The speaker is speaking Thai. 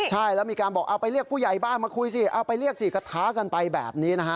ใช่แล้วมีการบอกเอาไปเรียกผู้ใหญ่บ้านมาคุยสิเอาไปเรียกสิก็ท้ากันไปแบบนี้นะฮะ